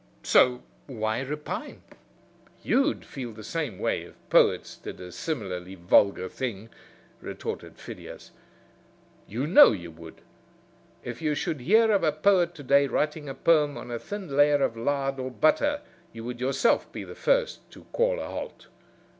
So why repine?" "You'd feel the same way if poets did a similarly vulgar thing," retorted Phidias; "you know you would. If you should hear of a poet to day writing a poem on a thin layer of lard or butter, you would yourself be the first to call a halt."